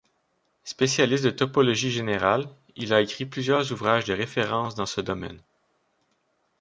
Spécialiste de topologie générale, il a écrit plusieurs ouvrages de référence dans ce domaine.